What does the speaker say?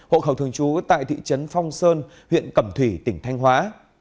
hộ khẩu thường trú tại thị trấn phong sơn tp thanh hóa tỉnh thanh hóa